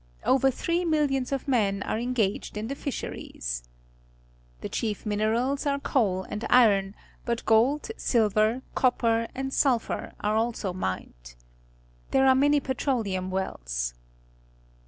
Over three miUions of men are engaged in the fisheries. The cliief minerals are coal and iron, but ^gold, silver, copper, and su lphur arg" also ^mned. ihere are many petroleum wells.